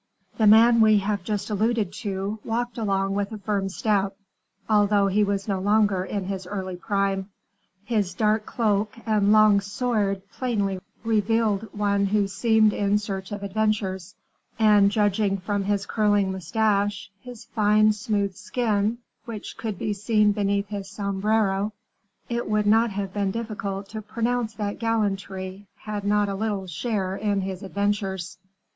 The man we have just alluded to walked along with a firm step, although he was no longer in his early prime. His dark cloak and long sword plainly revealed one who seemed in search of adventures; and, judging from his curling mustache, his fine smooth skin, which could be seen beneath his sombrero, it would not have been difficult to pronounce that gallantry had not a little share in his adventures.